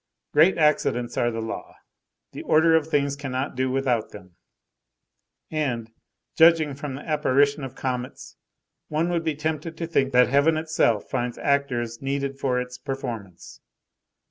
Great accidents are the law; the order of things cannot do without them; and, judging from the apparition of comets, one would be tempted to think that Heaven itself finds actors needed for its performance.